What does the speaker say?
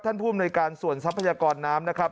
ท่านผู้เนยการส่วนทรัพยากรน้ำนะครับ